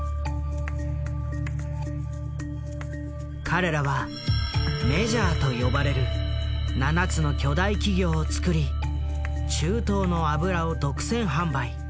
彼らは「メジャー」と呼ばれる７つの巨大企業をつくり中東の油を独占販売。